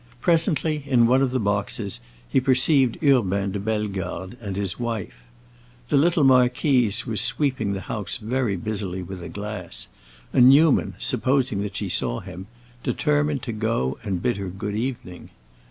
Presently, in one of the boxes, he perceived Urbain de Bellegarde and his wife. The little marquise was sweeping the house very busily with a glass, and Newman, supposing that she saw him, determined to go and bid her good evening.